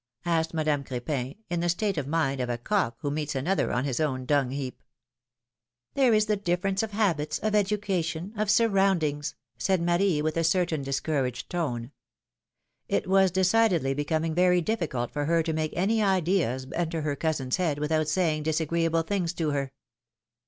asked Madame Crepin, in the state of mind of a cock who meets another on his own dung heap. PHlLOMilNE's MAHRIAGES. 261 There is the diiFerence of habits, of education, of sur roundings ! said Marie, with a certain discouraged tone. It was decidedly becoming very difficult for her to make any ideas enter her cousin's head without saying disagree able things to her.